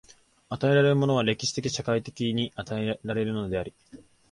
与えられるものは歴史的・社会的に与えられるのであり、